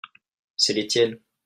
c'est les tiennes.